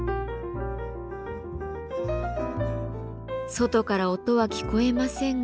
外から音は聞こえませんが。